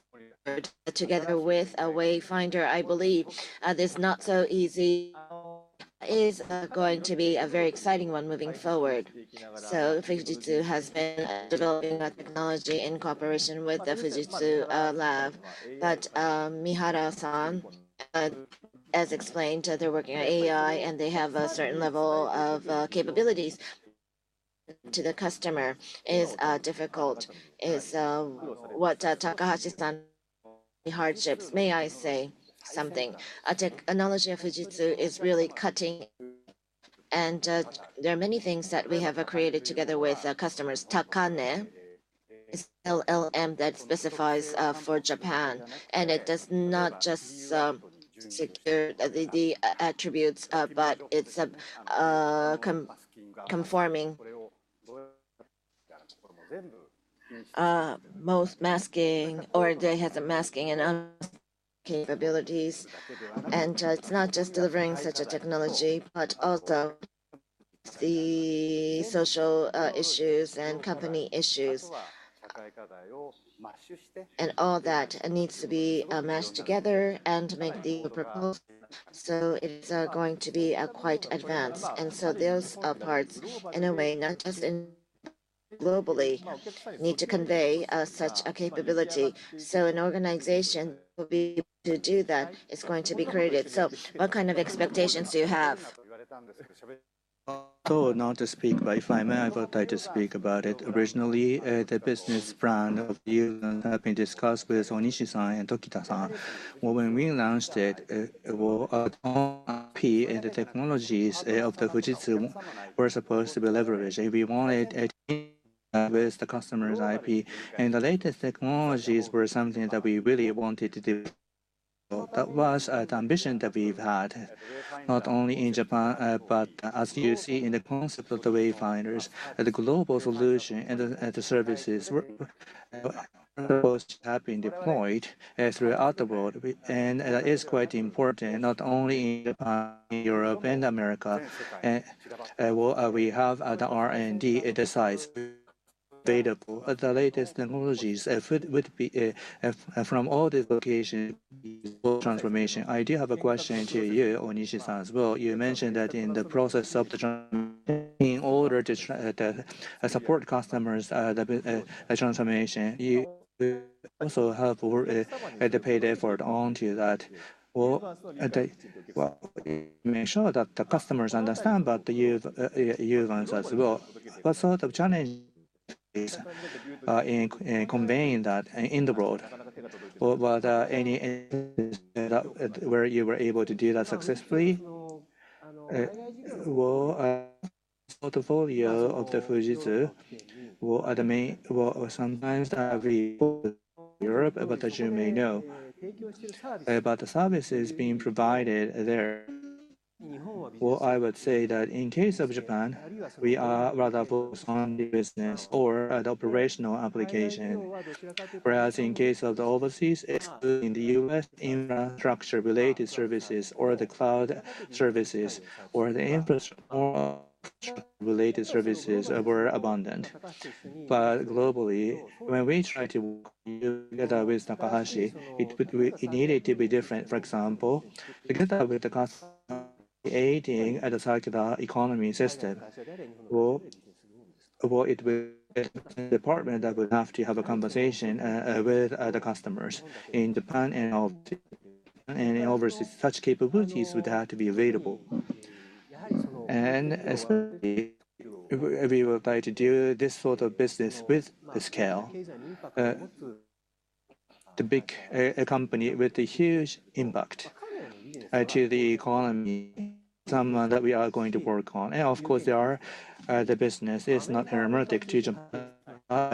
forward together with a Wayfinder, I believe this not so easy is going to be a very exciting one moving forward. Fujitsu has been developing technology in cooperation with the Fujitsu lab. Mihara-san, as explained, they're working on AI, and they have a certain level of capabilities to the customer. It's difficult. It's what Takahashi-san's hardships, may I say something. The technology of Fujitsu is really cutting. There are many things that we have created together with customers. Takane is LLM that specifies for Japan. It does not just secure the attributes, but it is conforming most masking, or it has a masking and unmasking capabilities. It is not just delivering such a technology, but also the social issues and company issues. All that needs to be matched together and to make the proposal. It is going to be quite advanced. Those parts, in a way, not just globally, need to convey such a capability. An organization will be able to do that. It is going to be created. What kind of expectations do you have? Not to speak, but if I may, I would like to speak about it. Originally, the business plan of the Uvance had been discussed with Onishi-san and Tokita-san. When we launched it, the IP and the technologies of Fujitsu were supposed to be leveraged. We wanted to keep with the customer's IP. The latest technologies were something that we really wanted to develop. That was the ambition that we've had, not only in Japan, but as you see in the concept of the Wayfinders, the global solution and the services were supposed to have been deployed throughout the world. That is quite important, not only in Japan, Europe, and America. We have the R&D at the size available. The latest technologies would be from all these locations for transformation. I do have a question to you, Oishi-san. You mentioned that in the process of the journey, in order to support customers' transformation, you also have to put the paid effort onto that. Make sure that the customers understand about the Uvance as well. What sort of challenges are conveying that in the world? Any instance where you were able to do that successfully? The portfolio of Fujitsu will sometimes be in Europe, but as you may know, about the services being provided there. I would say that in case of Japan, we are rather focused on the business or the operational application. Whereas in case of the overseas, including the U.S., infrastructure-related services or the cloud services or the infrastructure-related services were abundant. Globally, when we try to work together with Takahashi, it needed to be different. For example, together with the customer creating the circular economy system, it would be the department that would have to have a conversation with the customers in Japan and overseas. Such capabilities would have to be available. Especially if we would like to do this sort of business with the scale, the big company with the huge impact to the economy, some that we are going to work on. Of course, the business is not hermetic to Japan,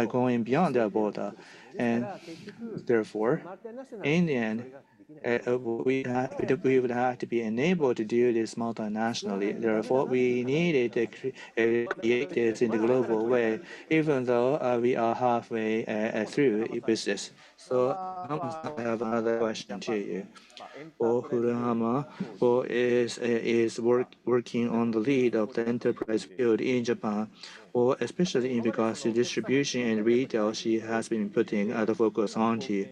going beyond their border. Therefore, in the end, we would have to be enabled to do this multinationally. Therefore, we needed to create this in the global way, even though we are halfway through business. I have another question to you. Furuhama is working on the lead of the enterprise field in Japan, or especially in regards to distribution and retail. She has been putting the focus onto you.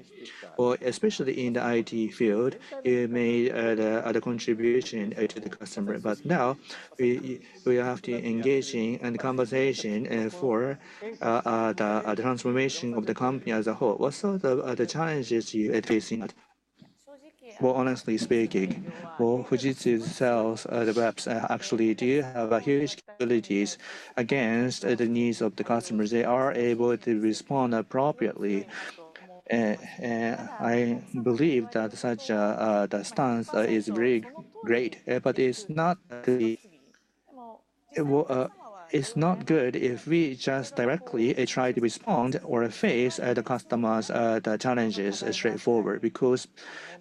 Especially in the IT field, you made a contribution to the customer. Now we have to engage in the conversation for the transformation of the company as a whole. What sort of challenges are you facing? Honestly speaking, Fujitsu itself, the reps actually do have huge capabilities against the needs of the customers. They are able to respond appropriately. I believe that such a stance is very great. It is not good if we just directly try to respond or face the customer's challenges straightforward because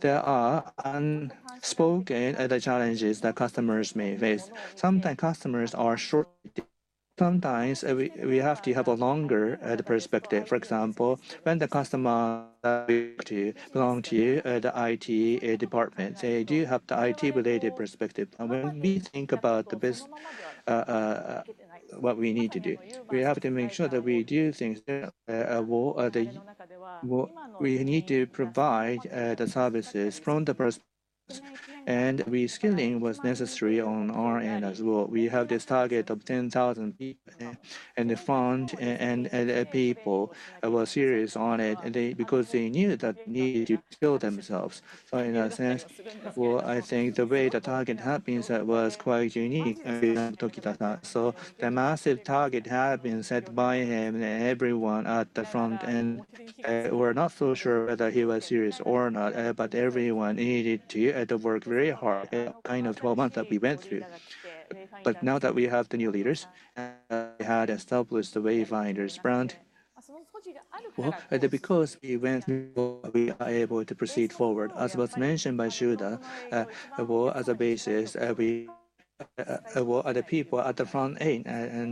there are unspoken challenges that customers may face. Sometimes customers are short. Sometimes we have to have a longer perspective. For example, when the customer belongs to the IT department, they do have the IT-related perspective. When we think about what we need to do, we have to make sure that we do things that we need to provide the services from the person. Reskilling was necessary on our end as well. We have this target of 10,000 people. The front and the people were serious on it because they knew that they needed to kill themselves. In that sense, I think the way the target had been set was quite unique in Tokita-san. The massive target had been set by him and everyone at the front. We're not so sure whether he was serious or not. Everyone needed to work very hard. Kind of 12 months that we went through. Now that we have the new leaders, we had established the Wayfinders brand. Because we went through, we are able to proceed forward. As was mentioned by Shuda, as a basis, the people at the front end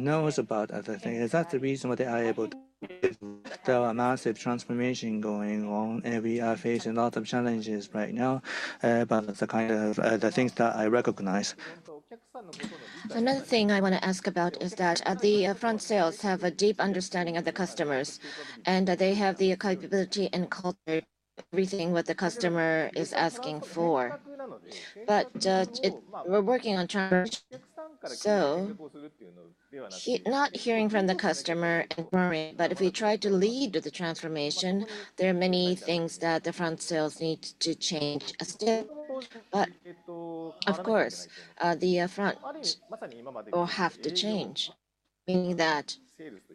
know about other things. That's the reason why they are able to do this. There are massive transformations going on. We are facing lots of challenges right now. The kind of things that I recognize. Another thing I want to ask about is that the front sales have a deep understanding of the customers. They have the capability and culture of everything the customer is asking for. We're working on challenges. Not hearing from the customer and worrying. If we try to lead the transformation, there are many things that the front sales need to change still. Of course, the front will have to change, meaning that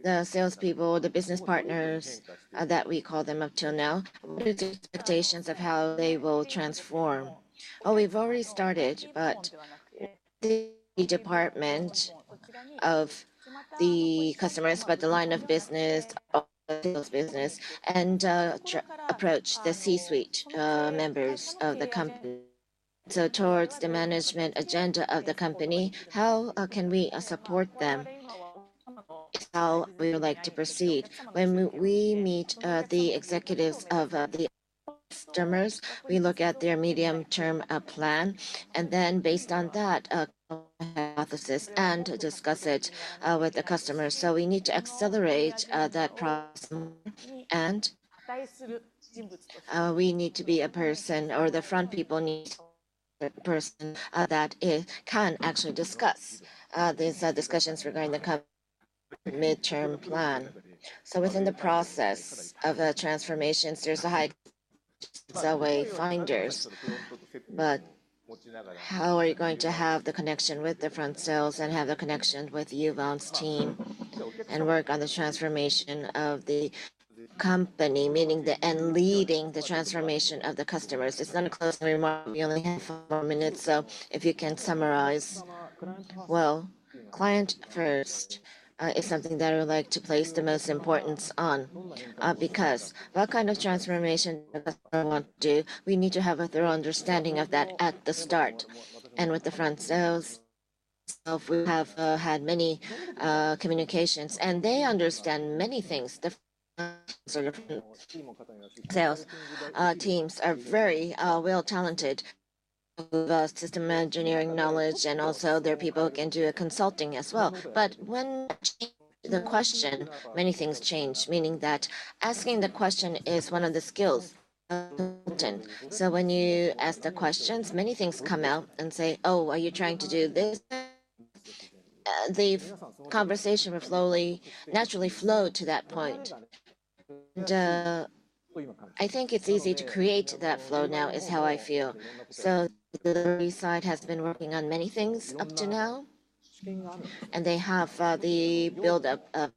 the salespeople, the business partners that we call them up till now, expectations of how they will transform. We've already started, but the department of the customers, the line of business, all sales business, and approach the C-suite members of the company. Towards the management agenda of the company, how can we support them? How would you like to proceed? When we meet the executives of the customers, we look at their medium-term plan. Then based on that, we discuss it with the customers. We need to accelerate that process. We need to be a person, or the front people need a person that can actually discuss these discussions regarding the midterm plan. Within the process of transformations, there is a high consistency of Wayfinders. How are you going to have the connection with the front sales and have the connection with Uvance team and work on the transformation of the company, meaning the end leading the transformation of the customers? It is not a closing remark. We only have four minutes. If you can summarize, client first is something that I would like to place the most importance on. Because what kind of transformation does the customer want to do? We need to have a thorough understanding of that at the start and with the front sales. We have had many communications. They understand many things. The front sales teams are very well talented with system engineering knowledge. Also, there are people who can do consulting as well. When the question, many things change. Meaning that asking the question is one of the skills of consultant. When you ask the questions, many things come out and say, "Oh, are you trying to do this?" The conversation will flow naturally to that point. I think it's easy to create that flow now is how I feel. The side has been working on many things up to now. They have the build-up of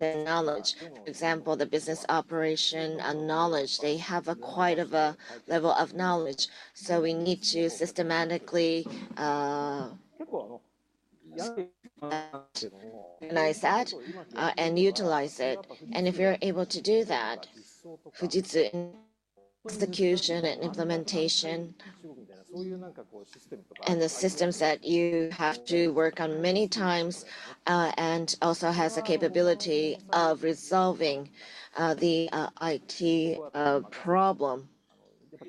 knowledge. For example, the business operation knowledge. They have quite a level of knowledge. We need to systematically organize that and utilize it. If you're able to do that, Fujitsu execution and implementation and the systems that you have to work on many times also has the capability of resolving the IT problem.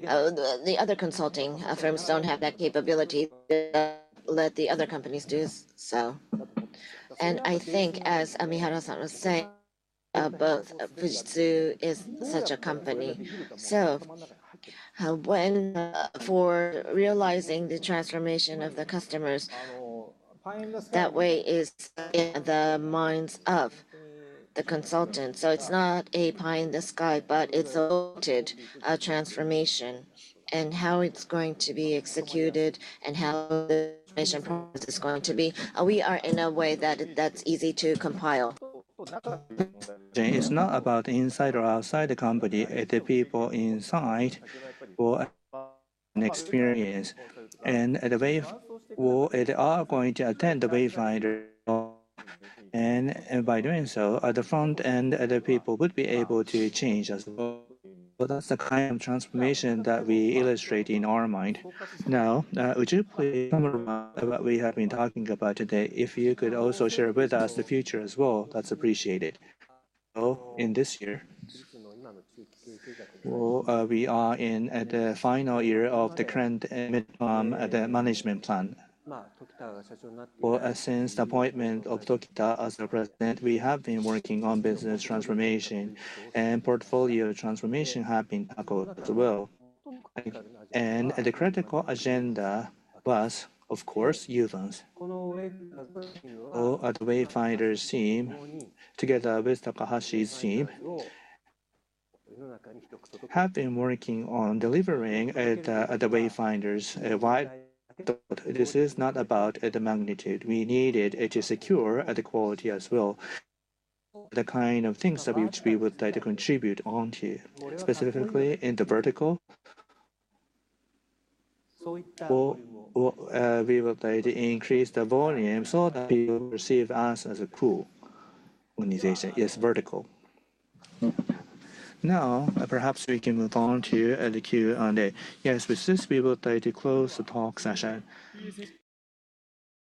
The other consulting firms don't have that capability to let the other companies do so. I think, as Mihara-san was saying, both Fujitsu is such a company. When realizing the transformation of the customers, that way is in the minds of the consultant. It's not a pie in the sky, but it's a transformation. How it's going to be executed and how the mission process is going to be, we are in a way that that's easy to compile. It's not about inside or outside the company. The people inside will have an experience. They are going to attend the Wayfinder. By doing so, at the front end, the people would be able to change as well. That is the kind of transformation that we illustrate in our mind. Now, would you please summarize what we have been talking about today? If you could also share with us the future as well, that is appreciated. In this year, we are in the final year of the current midterm management plan. Since the appointment of Tokita as the president, we have been working on business transformation. Portfolio transformation has been tackled as well. The critical agenda was, of course, Uvance. The Wayfinders team together with Takahashi's team have been working on delivering the Wayfinders wide. This is not about the magnitude. We needed to secure the quality as well. The kind of things that we would like to contribute onto, specifically in the vertical. We would like to increase the volume so that people perceive us as a cool organization. Yes, vertical. Now, perhaps we can move on to the Q&A. Yes, with this, we would like to close the talk session.